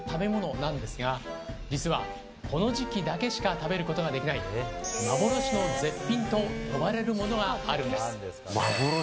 食卓でもよく見かける食べ物なんですが、実は、この時期だけしか食べることしかできない、幻の絶品と呼ばれるものがあるんです！